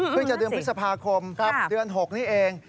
จะเดือนพฤษภาคมเดือน๖นี้เอง